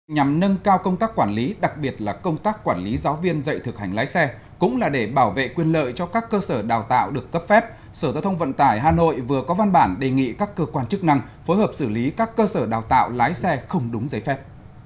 nhằm nâng cao công tác quản lý đặc biệt là công tác quản lý giáo viên dạy thực hành lái xe cũng là để bảo vệ quyền lợi cho các cơ sở đào tạo được cấp phép sở giao thông vận tải hà nội vừa có văn bản đề nghị các cơ quan chức năng phối hợp xử lý các cơ sở đào tạo lái xe không đúng giấy phép